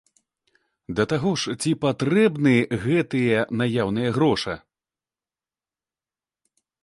Да таго ж ці патрэбны гэтыя наяўныя гроша?